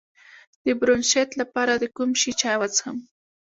د برونشیت لپاره د کوم شي چای وڅښم؟